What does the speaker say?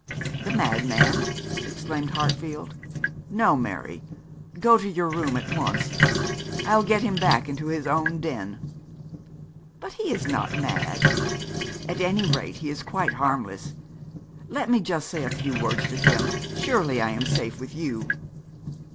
'The madman!' exclaimed Hartfield. 'No, Mary; go to your room at once. I'll get him back to his own den.' 'But he is not mad at any rate, he is quite harmless. Let me just say a few words to him. Surely I am safe with you.'